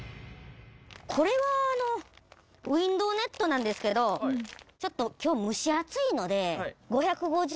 これはウインドウネットなんですけどちょっと今日蒸し暑いので。